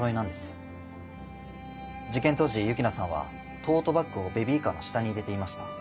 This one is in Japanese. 事件当時幸那さんはトートバッグをベビーカーの下に入れていました。